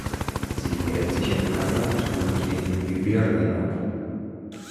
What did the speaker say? Sie hält sich im Flachland und in Gebirgen auf.